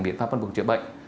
biện pháp bắt buộc chữa bệnh